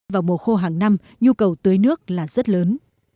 vào mùa khô hàng năm nhu cầu tưới nước là rất lớn